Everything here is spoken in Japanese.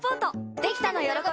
できた！のよろこび